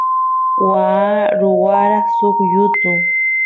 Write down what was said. waa ruwara suk yutu